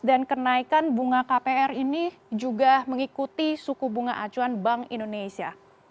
dan kenaikan bunga kpr ini juga mengikuti suku bunga acuan bank indonesia